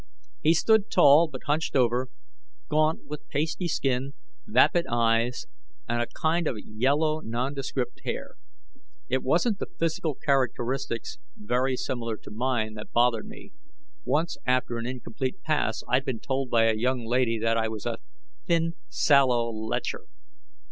He stood tall but hunched over; gaunt, with pasty skin, vapid eyes, and a kind of yellow nondescript hair. It wasn't the physical characteristics, very similar to mine, that bothered me once after an incomplete pass, I'd been told by a young lady that I was a "thin, sallow lecher."